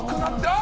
あ。